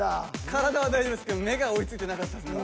体は大丈夫ですけど目が追いついてなかったですね。